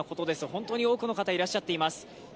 本当に多くの方、いらっしゃってます。